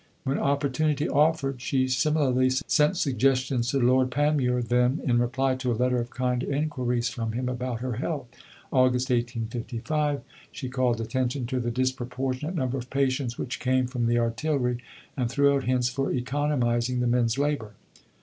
When opportunity offered she similarly sent suggestions to Lord Panmure; then, in reply to a letter of kind inquiries from him about her health (Aug. 1855), she called attention to the disproportionate number of patients which came from the Artillery, and threw out hints for economizing the men's labour.